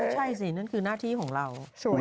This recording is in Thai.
ใช่สินั่นคือหน้าที่ของเรา